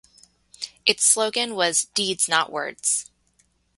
Its slogan was "Deeds not words".